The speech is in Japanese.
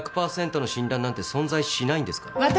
１００％の診断なんて存在しないんですから。